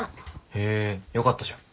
へぇよかったじゃん。